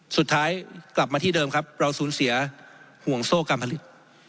สุดท้ายกลับมาที่เดิมครับเราสูญเสียห่วงโซ่การผลิต